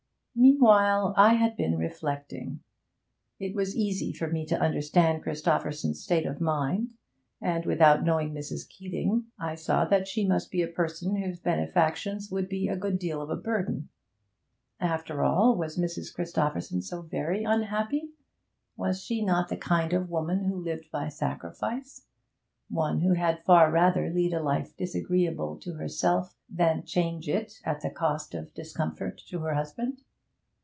Meantime I had been reflecting. It was easy for me to understand Christopherson's state of mind, and without knowing Mrs. Keeting, I saw that she must be a person whose benefactions would be a good deal of a burden. After all, was Mrs. Christopherson so very unhappy? Was she not the kind of woman who lived by sacrifice one who had far rather lead a life disagreeable to herself than change it at the cost of discomfort to her husband?